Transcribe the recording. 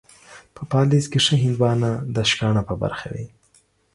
په پاليزه کې ښه هندوانه ، د شکاڼه په برخه وي.